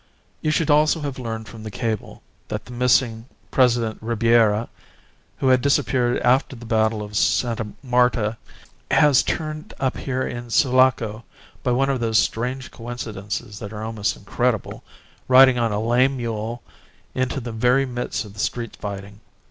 You should also have learned from the cable that the missing President, Ribiera, who had disappeared after the battle of Sta. Marta, has turned up here in Sulaco by one of those strange coincidences that are almost incredible, riding on a lame mule into the very midst of the street fighting.